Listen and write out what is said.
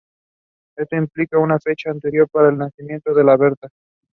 He was educated at Bacone College and exhibited his work across the country.